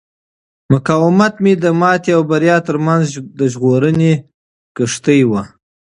مقاومت مې د ماتې او بریا ترمنځ د ژغورنې کښتۍ وه.